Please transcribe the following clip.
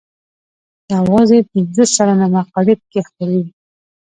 یوازې پنځه سلنه مقالې پکې خپریږي.